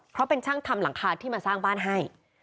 เพราะเป็นช่างทำหลังคาที่มาสร้างบ้านให้